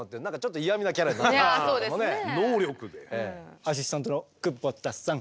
アシスタントの久保田さん。